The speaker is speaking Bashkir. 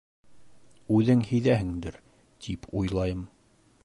— Үҙең һиҙәһеңдер, тип уйлайым.